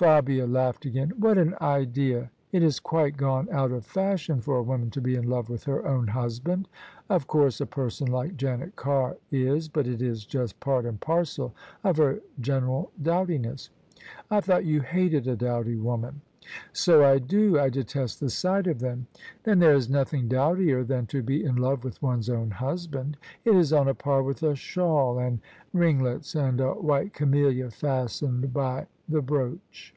Fabia laughed again. " What an idea! It is quite gone out of fashion for a woman to be in love with her own hus band. Of course, a person like Janet Carr is: but it is just part and parcel of her general dowdiness. I thought you hated a dowdy woman." " So I do; I detest the sight of them." " Then thera is nothing dowdier than to be in love with one's own husband. It is on a par with a shawl and ring lets, and a white camellia fastened by the brooch."